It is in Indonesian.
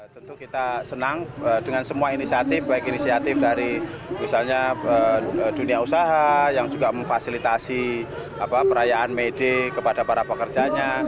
tentu kita senang dengan semua inisiatif baik inisiatif dari misalnya dunia usaha yang juga memfasilitasi perayaan may day kepada para pekerjanya